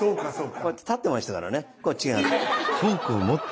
こうやって立ってましたからねこっちが。